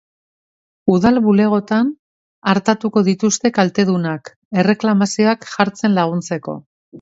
Udal bulegoetan artatuko dituzte kaltedunak, erreklamazioak jartzen laguntzeko.